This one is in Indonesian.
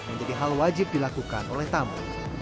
menjadi hal wajib dilakukan oleh tamu